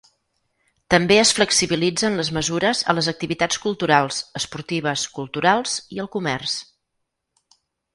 També es flexibilitzen les mesures a les activitats culturals, esportives, culturals i al comerç.